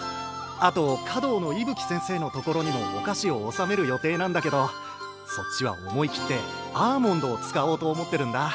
あと華道の伊吹先生のところにもお菓子を納める予定なんだけどそっちは思い切ってアーモンドを使おうと思ってるんだ。